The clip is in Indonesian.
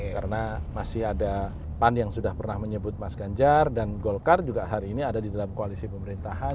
karena masih ada pan yang sudah pernah menyebut mas ganjar dan golkar juga hari ini ada di dalam koalisi pemerintahan